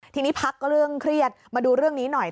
ทีนี้พักก็เรื่องเครียดมาดูเรื่องนี้หน่อย